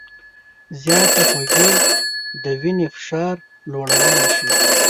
زیاتې خوږې د وینې فشار لوړولی شي.